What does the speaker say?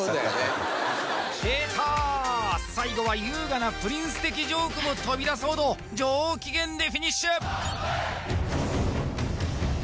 最後は優雅なプリンス的ジョークも飛び出すほど上機嫌でフィニッシュ！